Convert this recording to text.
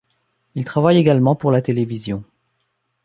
Il travaille également pour la télévision.